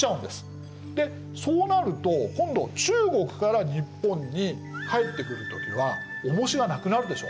でそうなると今度中国から日本に帰ってくる時は重しがなくなるでしょ。